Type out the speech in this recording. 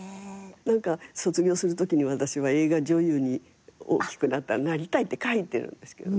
卒業するときに私は「映画女優に大きくなったらなりたい」って書いてるんですけどね。